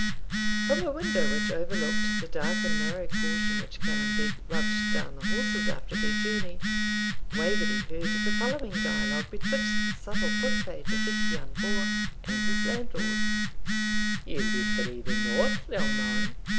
From a window which overlooked the dark and narrow court in which Callum Beg rubbed down the horses after their journey, Waverley heard the following dialogue betwixt the subtle foot page of Vich Ian Vohr and his landlord: 'Ye'll be frae the north, young man?'